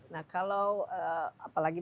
nah kalau apalagi